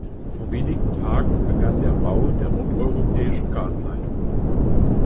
Vor wenigen Tagen begann der Bau der nordeuropäischen Gasleitung.